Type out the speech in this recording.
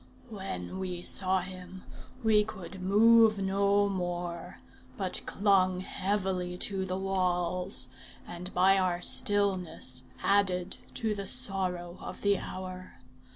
When we saw him, we could move no more, but clung heavily to the walls, and by our stillness added to the sorrow of the hour.